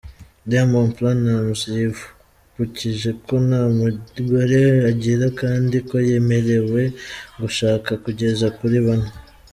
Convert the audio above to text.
Diamond Platnumz yibukije ko nta mugore agira kandi ko yemerewe gushaka kugeza kuri bane.